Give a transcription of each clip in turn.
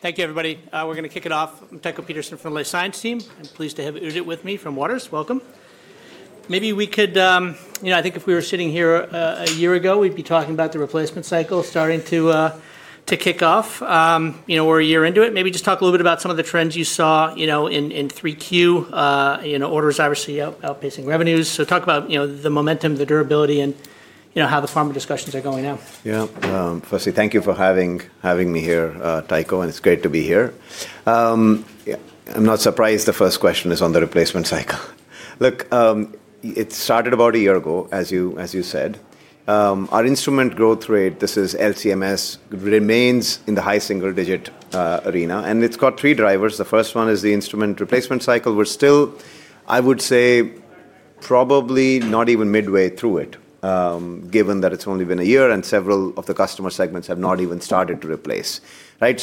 Okay, thank you, everybody. We're going to kick it off. I'm Tycho Peterson from the Life Science Team. I'm pleased to have Udit with me from Waters. Welcome. Maybe we could, you know, I think if we were sitting here a year ago, we'd be talking about the replacement cycle starting to kick off. You know, we're a year into it. Maybe just talk a little bit about some of the trends you saw, you know, in 3Q, you know, orders obviously outpacing revenues. So talk about, you know, the momentum, the durability, and, you know, how the pharma discussions are going now. Yeah, firstly, thank you for having me here, Tycho, and it's great to be here. I'm not surprised the first question is on the replacement cycle. Look, it started about a year ago, as you said. Our instrument growth rate, this is LCMS, remains in the high single-digit arena, and it's got three drivers. The first one is the instrument replacement cycle. We're still, I would say, probably not even midway through it, given that it's only been a year and several of the customer segments have not even started to replace, right?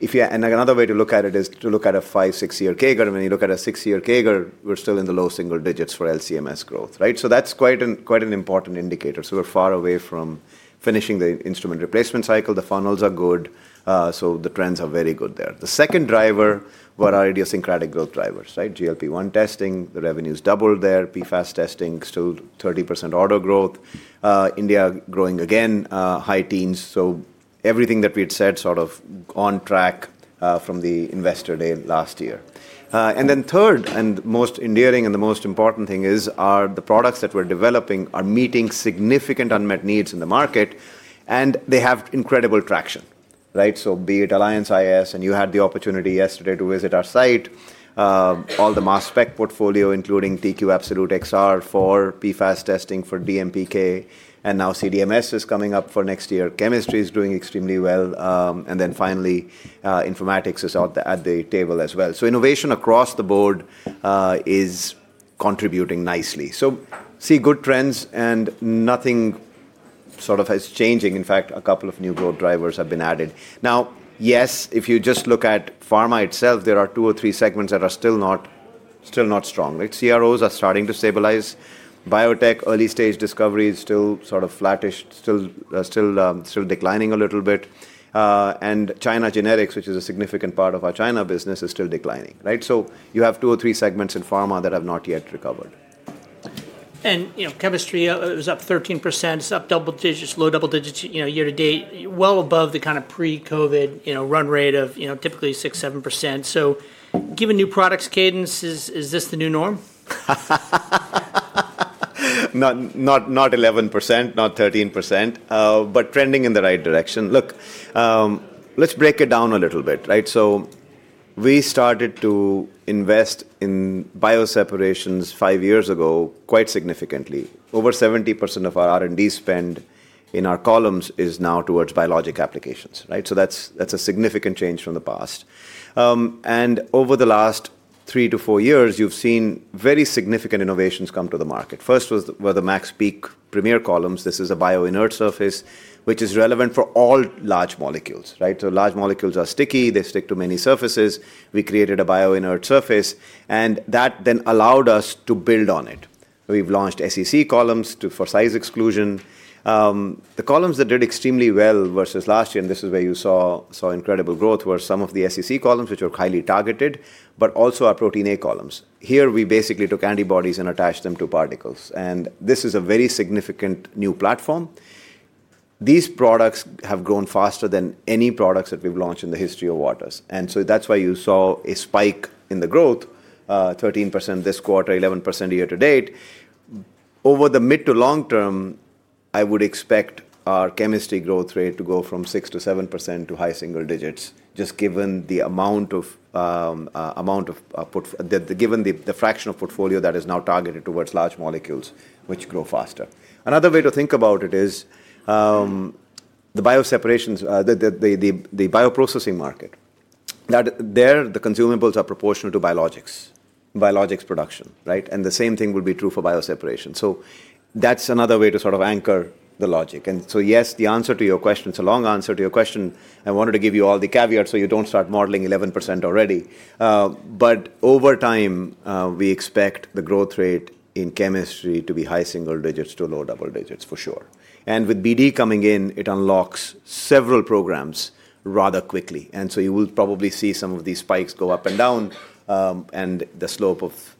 If you—and another way to look at it is to look at a five, six-year CAGR. When you look at a six-year CAGR, we're still in the low single digits for LCMS growth, right? That's quite an important indicator. We're far away from finishing the instrument replacement cycle. The funnels are good, so the trends are very good there. The second driver, what are idiosyncratic growth drivers, right? GLP-1 testing, the revenues doubled there. PFAS testing, still 30% order growth. India growing again, high teens. So everything that we had said sort of on track from the Investor Day last year. And then third, and most endearing and the most important thing is, are the products that we're developing are meeting significant unmet needs in the market, and they have incredible traction, right? So be it Alliance iS, and you had the opportunity yesterday to visit our site, all the mass spec portfolio, including TQ Absolute XR for PFAS testing for DMPK, and now CDMS is coming up for next year. Chemistry is doing extremely well. And then finally, informatics is at the table as well. So innovation across the board is contributing nicely. See good trends, and nothing sort of is changing. In fact, a couple of new growth drivers have been added. Now, yes, if you just look at pharma itself, there are two or three segments that are still not strong, right? CROs are starting to stabilize. Biotech, early-stage discovery is still sort of flattish, still declining a little bit. And China generics, which is a significant part of our China business, is still declining, right? You have two or three segments in pharma that have not yet recovered. You know, chemistry, it was up 13%. It's up double-digits, low double-digits year to date, well above the kind of pre-COVID run rate of, you know, typically 6%, 7%. Given new products cadence, is this the new norm? Not 11%, not 13%, but trending in the right direction. Look, let's break it down a little bit, right? We started to invest in bioseparations five years ago quite significantly. Over 70% of our R&D spend in our columns is now towards biologic applications, right? That's a significant change from the past. Over the last three to four years, you've seen very significant innovations come to the market. First were the MaxPeak Premier columns. This is a bioinert surface, which is relevant for all large molecules, right? Large molecules are sticky. They stick to many surfaces. We created a bioinert surface, and that then allowed us to build on it. We've launched SEC columns for size exclusion. The columns that did extremely well versus last year, and this is where you saw incredible growth, were some of the SEC columns, which are highly targeted, but also our Protein A Columns. Here, we basically took antibodies and attached them to particles. This is a very significant new platform. These products have grown faster than any products that we've launched in the history of Waters. That is why you saw a spike in the growth, 13% this quarter, 11% year to date. Over the mid to long term, I would expect our chemistry growth rate to go from 6%-7% to high single-digits, just given the amount of, given the fraction of portfolio that is now targeted towards large molecules, which grow faster. Another way to think about it is the bioseparations, the bioprocessing market, that there the consumables are proportional to biologics, biologics production, right? The same thing would be true for bioseparation. That is another way to sort of anchor the logic. Yes, the answer to your question, it is a long answer to your question. I wanted to give you all the caveat so you do not start modeling 11% already. Over time, we expect the growth rate in chemistry to be high single digits to low double digits for sure. With BD coming in, it unlocks several programs rather quickly. You will probably see some of these spikes go up and down, and the slope of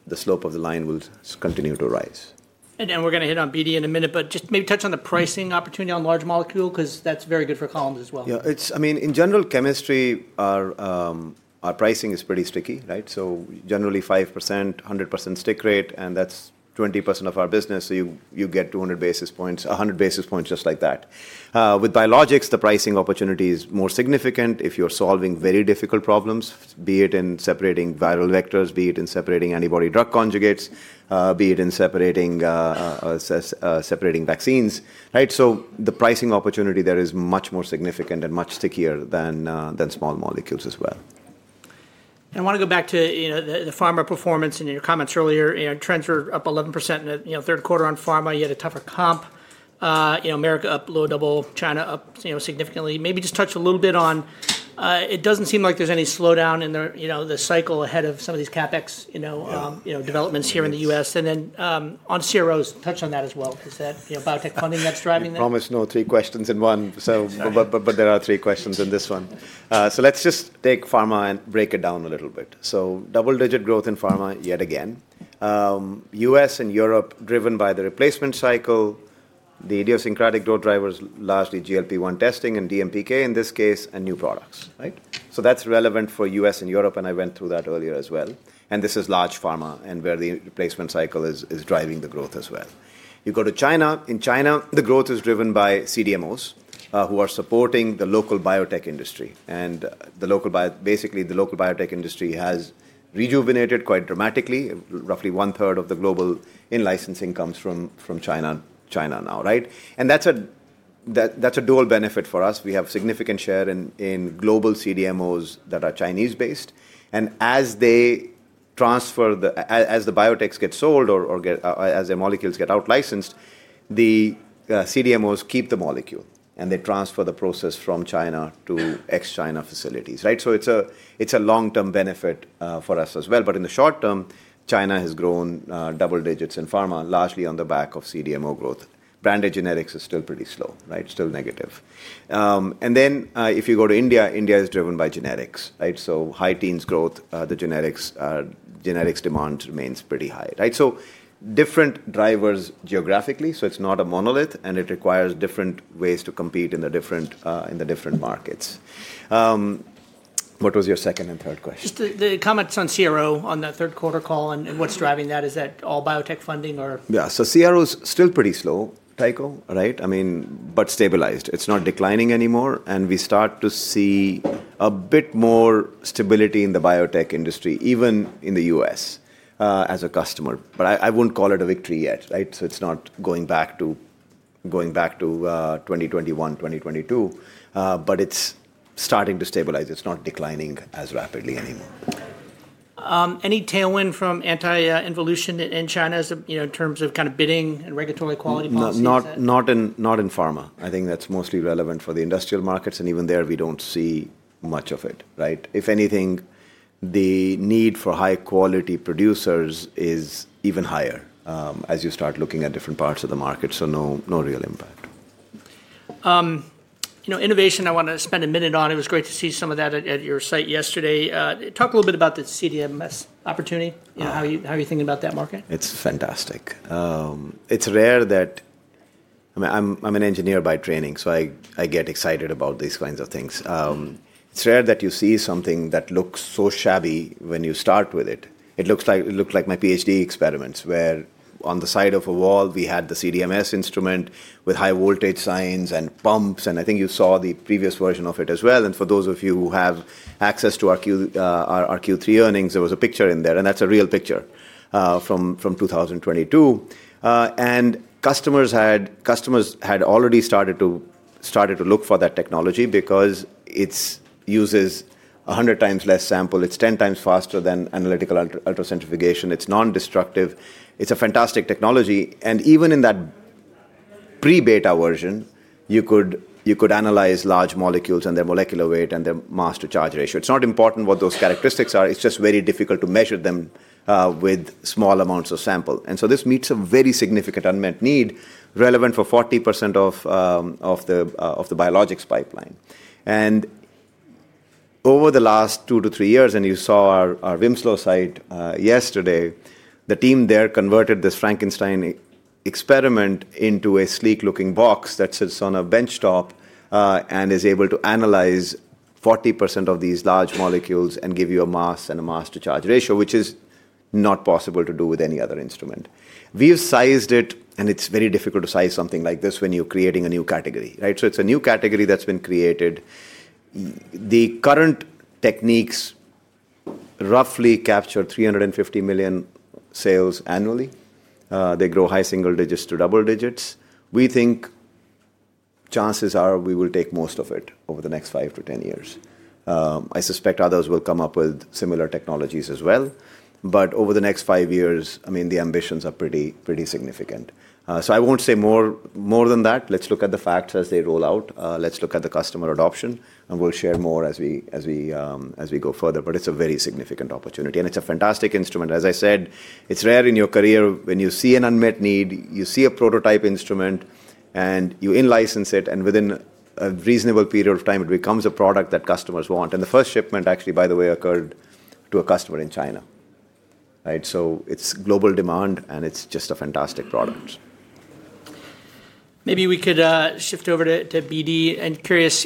the line will continue to rise. We're going to hit on BD in a minute, but just maybe touch on the pricing opportunity on large molecule, because that's very good for columns as well. Yeah, it's, I mean, in general, chemistry, our pricing is pretty sticky, right? So generally 5%, 100% stick rate, and that's 20% of our business. You get 200 basis points, 100 basis points just like that. With biologics, the pricing opportunity is more significant if you're solving very difficult problems, be it in separating viral vectors, be it in separating antibody-drug conjugates, be it in separating vaccines, right? The pricing opportunity there is much more significant and much stickier than small molecules as well. I want to go back to the pharma performance and your comments earlier. Trends were up 11% in the third quarter on pharma. You had a tougher comp. America up low double, China up significantly. Maybe just touch a little bit on, it doesn't seem like there's any slowdown in the cycle ahead of some of these CapEx developments here in the U.S. On CROs, touch on that as well. Is that biotech funding that's driving that? Promise no three questions in one, but there are three questions in this one. Let's just take pharma and break it down a little bit. Double-digit growth in pharma yet again. U.S. and Europe driven by the replacement cycle. The idiosyncratic growth drivers largely GLP-1 testing and DMPK in this case and new products, right? That is relevant for U.S. and Europe, and I went through that earlier as well. This is large pharma and where the replacement cycle is driving the growth as well. You go to China. In China, the growth is driven by CDMOs who are supporting the local biotech industry. Basically, the local biotech industry has rejuvenated quite dramatically. Roughly one-third of the global in-licensing comes from China now, right? That is a dual benefit for us. We have a significant share in global CDMOs that are Chinese-based. As they transfer, as the biotechs get sold or as their molecules get out-licensed, the CDMOs keep the molecule and they transfer the process from China to ex-China facilities, right? It is a long-term benefit for us as well. In the short term, China has grown double digits in pharma, largely on the back of CDMO growth. Branded generics is still pretty slow, right? Still negative. If you go to India, India is driven by generics, right? High teens growth, the generics demand remains pretty high, right? Different drivers geographically, so it is not a monolith, and it requires different ways to compete in the different markets. What was your second and third question? Just the comments on CRO on that third quarter call and what's driving that. Is that all biotech funding or? Yeah, CRO is still pretty slow, Tycho, right? I mean, but stabilized. It's not declining anymore. We start to see a bit more stability in the biotech industry, even in the US as a customer. I wouldn't call it a victory yet, right? It's not going back to 2021, 2022, but it's starting to stabilize. It's not declining as rapidly anymore. Any tailwind from anti-involution in China in terms of kind of bidding and regulatory quality policies? Not in pharma. I think that's mostly relevant for the industrial markets, and even there we don't see much of it, right? If anything, the need for high-quality producers is even higher as you start looking at different parts of the market, so no real impact. You know, innovation, I want to spend a minute on. It was great to see some of that at your site yesterday. Talk a little bit about the CDMS opportunity. How are you thinking about that market? It's fantastic. It's rare that, I mean, I'm an engineer by training, so I get excited about these kinds of things. It's rare that you see something that looks so shabby when you start with it. It looks like my PhD experiments where on the side of a wall, we had the CDMS instrument with high-voltage signs and pumps, and I think you saw the previous version of it as well. For those of you who have access to our Q3 earnings, there was a picture in there, and that's a real picture from 2022. Customers had already started to look for that technology because it uses 100 times less sample. It's 10 times faster than analytical ultracentrifugation. It's non-destructive. It's a fantastic technology. Even in that pre-beta version, you could analyze large molecules and their molecular weight and their mass-to-charge ratio. It's not important what those characteristics are. It's just very difficult to measure them with small amounts of sample. This meets a very significant unmet need relevant for 40% of the biologics pipeline. Over the last two to three years, and you saw our Winslow site yesterday, the team there converted this Frankenstein experiment into a sleek-looking box that sits on a benchtop and is able to analyze 40% of these large molecules and give you a mass and a mass-to-charge ratio, which is not possible to do with any other instrument. We've sized it, and it's very difficult to size something like this when you're creating a new category, right? It's a new category that's been created. The current techniques roughly capture $350 million sales annually. They grow high single digits to double digits. We think chances are we will take most of it over the next five to ten years. I suspect others will come up with similar technologies as well. Over the next five years, I mean, the ambitions are pretty significant. I will not say more than that. Let's look at the facts as they roll out. Let's look at the customer adoption, and we will share more as we go further. It is a very significant opportunity, and it is a fantastic instrument. As I said, it is rare in your career when you see an unmet need, you see a prototype instrument, and you in-license it, and within a reasonable period of time, it becomes a product that customers want. The first shipment actually, by the way, occurred to a customer in China, right? It is global demand, and it is just a fantastic product. Maybe we could shift over to BD. I'm curious,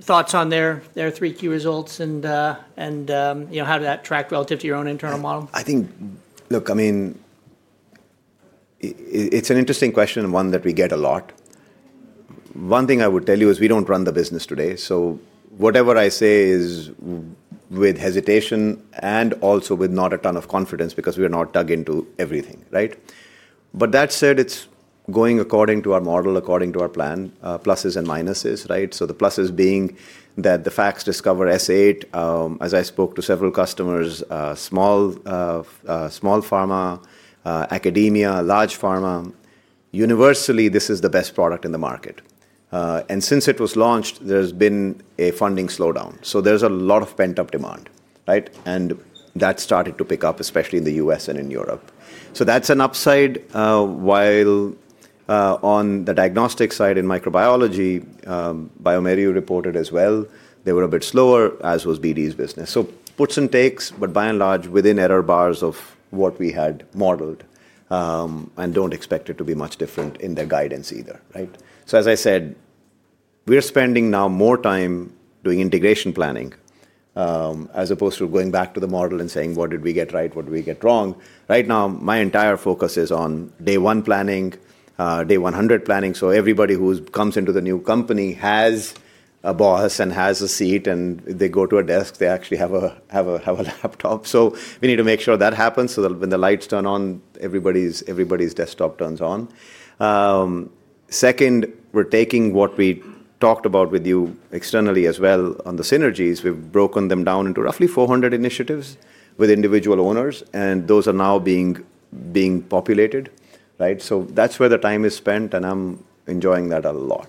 thoughts on their three key results and how did that track relative to your own internal model? I think, look, I mean, it's an interesting question and one that we get a lot. One thing I would tell you is we don't run the business today. Whatever I say is with hesitation and also with not a ton of confidence because we are not dug into everything, right? That said, it's going according to our model, according to our plan, pluses and minuses, right? The pluses being that the FACS DiVa S8, as I spoke to several customers, small pharma, academia, large pharma, universally, this is the best product in the market. Since it was launched, there's been a funding slowdown. There's a lot of pent-up demand, right? That started to pick up, especially in the U.S. and in Europe. That's an upside. While on the diagnostic side in microbiology, BioMérieux reported as well, they were a bit slower, as was BD's business. Puts and takes, but by and large, within error bars of what we had modeled. I do not expect it to be much different in their guidance either, right? As I said, we're spending now more time doing integration planning as opposed to going back to the model and saying, what did we get right? What did we get wrong? Right now, my entire focus is on day one planning, day 100 planning. Everybody who comes into the new company has a boss and has a seat, and they go to a desk. They actually have a laptop. We need to make sure that happens. When the lights turn on, everybody's desktop turns on. Second, we're taking what we talked about with you externally as well on the synergies. We've broken them down into roughly 400 initiatives with individual owners, and those are now being populated, right? So that's where the time is spent, and I'm enjoying that a lot.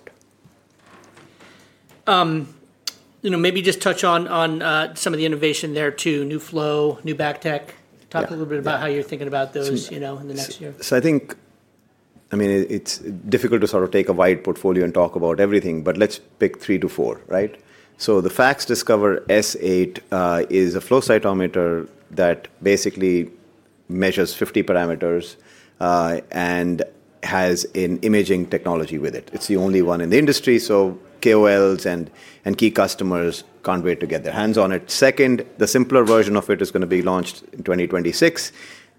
Maybe just touch on some of the innovation there too, new flow, new back tech. Talk a little bit about how you're thinking about those in the next year. I think, I mean, it's difficult to sort of take a wide portfolio and talk about everything, but let's pick three to four, right? The FACS DiVa S8 is a flow cytometer that basically measures 50 parameters and has an imaging technology with it. It's the only one in the industry. KOLs and key customers can't wait to get their hands on it. The simpler version of it is going to be launched in 2026.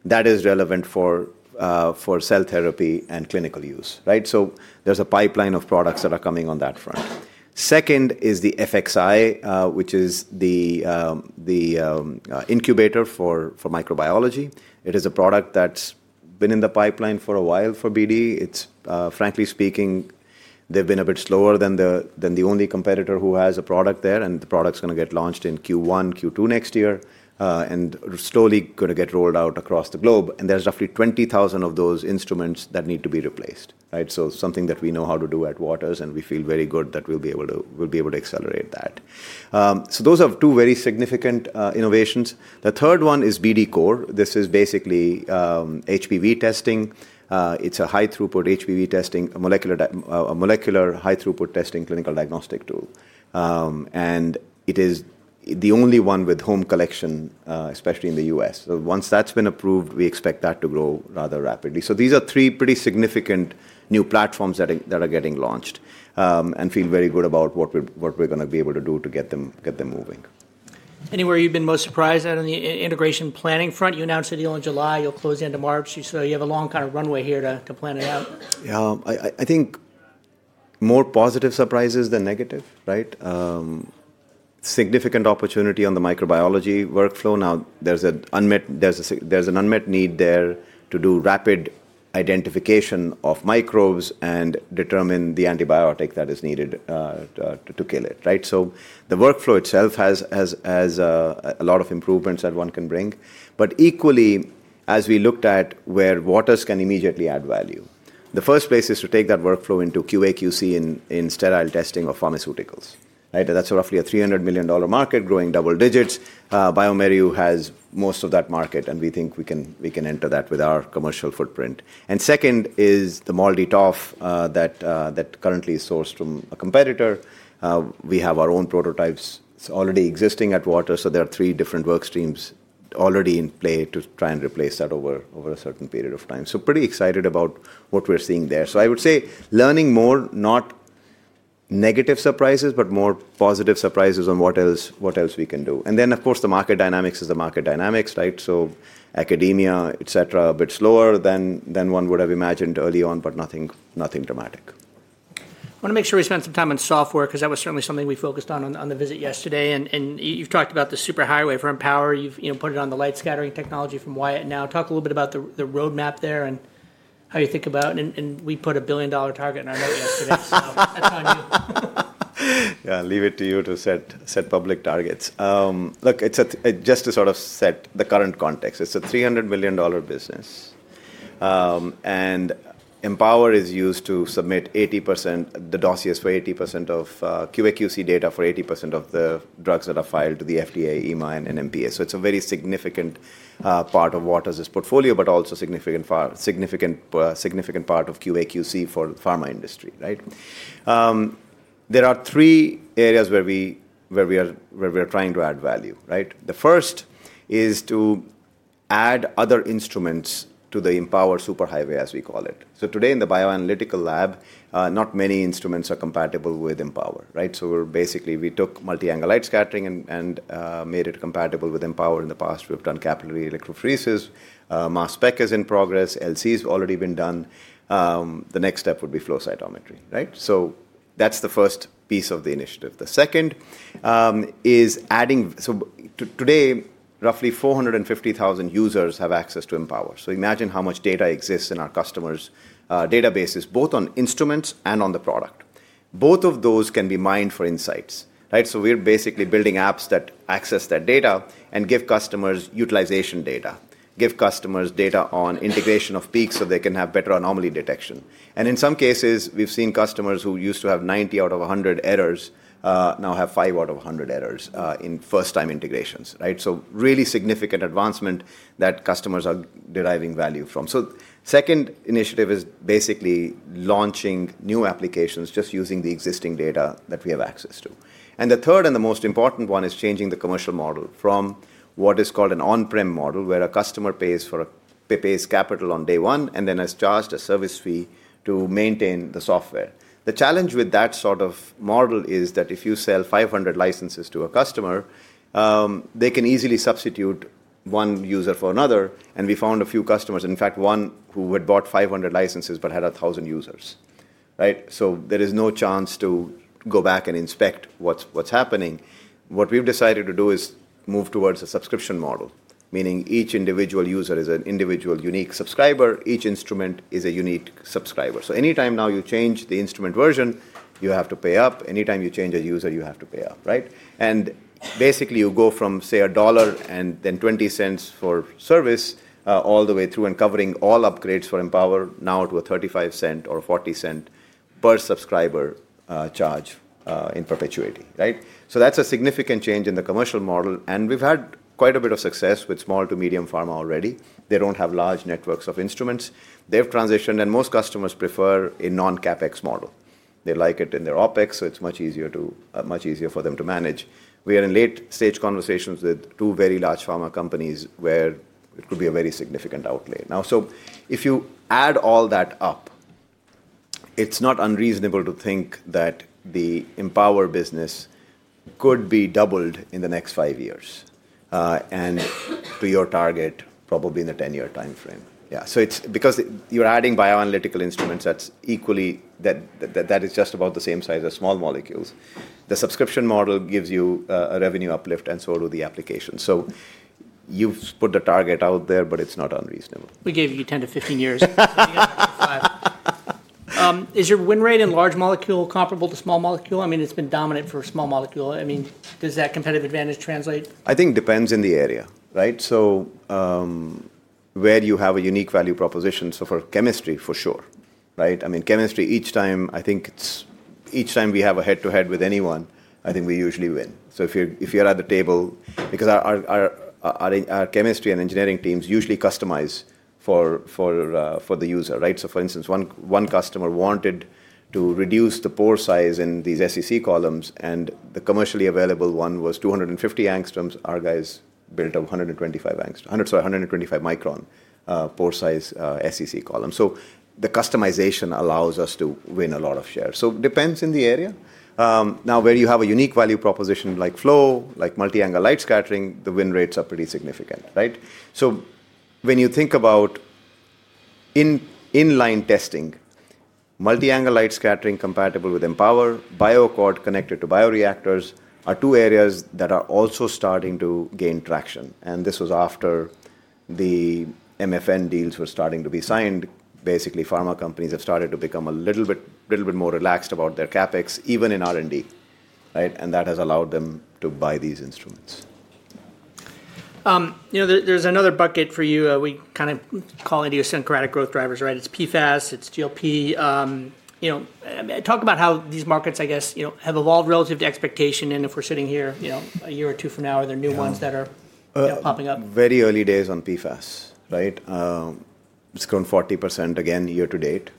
That is relevant for cell therapy and clinical use, right? There's a pipeline of products that are coming on that front. Second is the FXI, which is the incubator for microbiology. It is a product that's been in the pipeline for a while for BD. Frankly speaking, they've been a bit slower than the only competitor who has a product there, and the product's going to get launched in Q1, Q2 next year and slowly going to get rolled out across the globe. There's roughly 20,000 of those instruments that need to be replaced, right? Something that we know how to do at Waters, and we feel very good that we'll be able to accelerate that. Those are two very significant innovations. The third one is BD Core. This is basically HPV testing. It's a high-throughput HPV testing, a molecular high-throughput testing clinical diagnostic tool. It is the only one with home collection, especially in the U.S. Once that's been approved, we expect that to grow rather rapidly. These are three pretty significant new platforms that are getting launched and feel very good about what we're going to be able to do to get them moving. Anywhere you've been most surprised at on the integration planning front? You announced it in July. You'll close the end of March. You have a long kind of runway here to plan it out. Yeah, I think more positive surprises than negative, right? Significant opportunity on the microbiology workflow. Now, there's an unmet need there to do rapid identification of microbes and determine the antibiotic that is needed to kill it, right? The workflow itself has a lot of improvements that one can bring. Equally, as we looked at where Waters can immediately add value, the first place is to take that workflow into QAQC in sterile testing of pharmaceuticals, right? That's roughly a $300 million market, growing double digits. BioMérieux has most of that market, and we think we can enter that with our commercial footprint. Second is the MALDI-TOF that currently is sourced from a competitor. We have our own prototypes. It's already existing at Waters. There are three different workstreams already in play to try and replace that over a certain period of time. Pretty excited about what we're seeing there. I would say learning more, not negative surprises, but more positive surprises on what else we can do. Of course, the market dynamics is the market dynamics, right? Academia, et cetera, a bit slower than one would have imagined early on, but nothing dramatic. I want to make sure we spend some time on software because that was certainly something we focused on on the visit yesterday. You have talked about the superhighway for Empower. You have put it on the light scattering technology from Wyatt now. Talk a little bit about the roadmap there and how you think about it. We put a billion-dollar target in our note yesterday, so that is on you. Yeah, leave it to you to set public targets. Look, just to sort of set the current context, it's a $300 million business. And Empower is used to submit 80% of the dossiers for 80% of QAQC data for 80% of the drugs that are filed to the FDA, EMA, and NMPA. It is a very significant part of Waters' portfolio, but also a significant part of QAQC for the pharma industry, right? There are three areas where we are trying to add value, right? The first is to add other instruments to the Empower superhighway, as we call it. Today in the bioanalytical lab, not many instruments are compatible with Empower, right? We took multi-angle light scattering and made it compatible with Empower. In the past, we've done capillary electrophoresis. Mass spec is in progress. LC has already been done. The next step would be flow cytometry, right? That's the first piece of the initiative. The second is adding, so today, roughly 450,000 users have access to Empower. Imagine how much data exists in our customers' databases, both on instruments and on the product. Both of those can be mined for insights, right? We're basically building apps that access that data and give customers utilization data, give customers data on integration of peaks so they can have better anomaly detection. In some cases, we've seen customers who used to have 90 out of 100 errors now have 5 out of 100 errors in first-time integrations, right? Really significant advancement that customers are deriving value from. The second initiative is basically launching new applications just using the existing data that we have access to. The third and the most important one is changing the commercial model from what is called an on-prem model where a customer pays for a capital on day one and then is charged a service fee to maintain the software. The challenge with that sort of model is that if you sell 500 licenses to a customer, they can easily substitute one user for another. We found a few customers, in fact, one who had bought 500 licenses but had 1,000 users, right? There is no chance to go back and inspect what's happening. What we've decided to do is move towards a subscription model, meaning each individual user is an individual unique subscriber. Each instrument is a unique subscriber. Anytime now you change the instrument version, you have to pay up. Anytime you change a user, you have to pay up, right? You go from, say, $1 and then $0.20 for service all the way through and covering all upgrades for Empower now to a $0.35 or $0.40 per subscriber charge in perpetuity, right? That is a significant change in the commercial model. We have had quite a bit of success with small to medium pharma already. They do not have large networks of instruments. They have transitioned, and most customers prefer a non-CapEx model. They like it in their OpEx, so it is much easier for them to manage. We are in late-stage conversations with two very large pharma companies where it could be a very significant outlay now. If you add all that up, it is not unreasonable to think that the Empower business could be doubled in the next five years and to your target, probably in the 10-year timeframe. Yeah, so it's because you're adding bioanalytical instruments that is just about the same size as small molecules. The subscription model gives you a revenue uplift, and so do the applications. You've put the target out there, but it's not unreasonable. We gave you 10 to 15 years. Is your win rate in large molecule comparable to small molecule? I mean, it's been dominant for small molecule. I mean, does that competitive advantage translate? I think it depends in the area, right? Where you have a unique value proposition. For chemistry, for sure, right? I mean, chemistry, each time I think it's each time we have a head-to-head with anyone, I think we usually win. If you're at the table, because our chemistry and engineering teams usually customize for the user, right? For instance, one customer wanted to reduce the pore size in these SEC columns, and the commercially available one was 250 angstroms. Our guys built a 125 micron pore size SEC column. The customization allows us to win a lot of shares. It depends in the area. Now, where you have a unique value proposition like flow, like multi-angle light scattering, the win rates are pretty significant, right? When you think about inline testing, multi-angle light scattering compatible with Empower, BioCord connected to bioreactors are two areas that are also starting to gain traction. This was after the MFN deals were starting to be signed. Basically, pharma companies have started to become a little bit more relaxed about their CapEx, even in R&D, right? That has allowed them to buy these instruments. There's another bucket for you. We kind of call it idiosyncratic growth drivers, right? It's PFAS, it's GLP. Talk about how these markets, I guess, have evolved relative to expectation. If we're sitting here a year or two from now, are there new ones that are popping up? Very early days on PFAS, right? It's grown 40% again year to date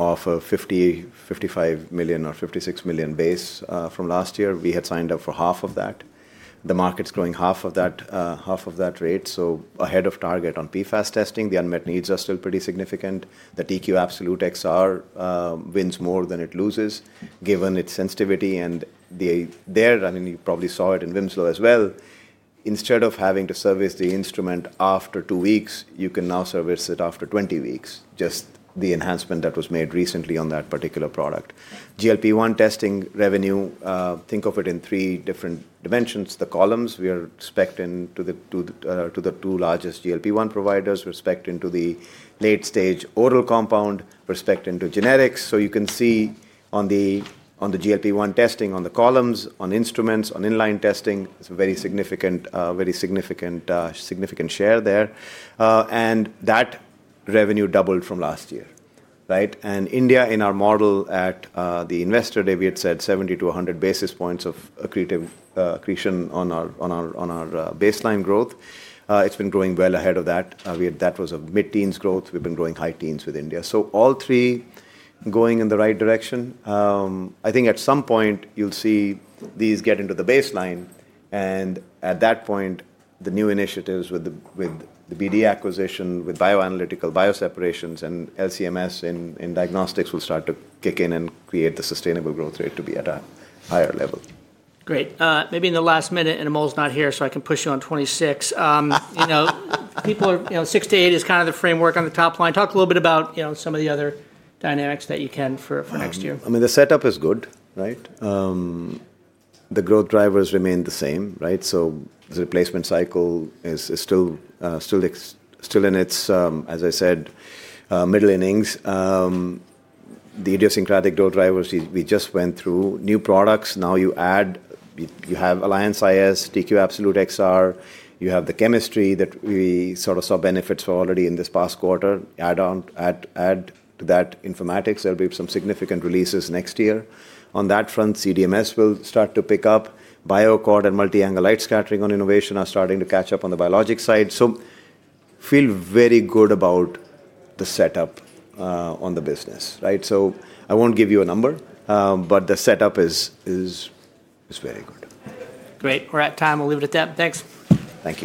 off of $55 million or $56 million base from last year. We had signed up for half of that. The market's growing half of that rate. So ahead of target on PFAS testing, the unmet needs are still pretty significant. The TQ Absolute XR wins more than it loses given its sensitivity. And there, I mean, you probably saw it in Winslow as well. Instead of having to service the instrument after two weeks, you can now service it after 20 weeks, just the enhancement that was made recently on that particular product. GLP-1 testing revenue, think of it in three different dimensions. The columns, we are specced into the two largest GLP-1 providers. We're specced into the late-stage oral compound. We're specced into generics. You can see on the GLP-1 testing, on the columns, on instruments, on inline testing, it is a very significant share there. That revenue doubled from last year, right? In India, in our model at the investor, David said, 70-100 basis points of accretion on our baseline growth. It has been growing well ahead of that. That was a mid-teens growth. We have been growing high teens with India. All three are going in the right direction. I think at some point you will see these get into the baseline. At that point, the new initiatives with the BD acquisition, with bioanalytical bioseparations and LCMS in diagnostics will start to kick in and create the sustainable growth rate to be at a higher level. Great. Maybe in the last minute, and Amol's not here, so I can push you on 26. People are 6-8 is kind of the framework on the top line. Talk a little bit about some of the other dynamics that you can for next year. I mean, the setup is good, right? The growth drivers remain the same, right? The replacement cycle is still in its, as I said, middle innings. The idiosyncratic growth drivers we just went through. New products, now you add, you have Alliance iS, TQ Absolute XR. You have the chemistry that we sort of saw benefits for already in this past quarter. Add to that informatics. There will be some significant releases next year. On that front, CDMS will start to pick up. BioCord and multi-angle light scattering on innovation are starting to catch up on the biologic side. I feel very good about the setup on the business, right? I will not give you a number, but the setup is very good. Great. We're at time. We'll leave it at that. Thanks. Thank you.